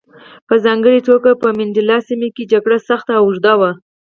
په ځانګړې توګه په مینډلنډ سیمه کې جګړه سخته او اوږده وه.